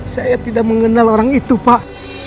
saya tidak mengenal orang itu pak